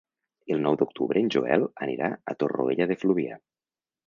El nou d'octubre en Joel anirà a Torroella de Fluvià.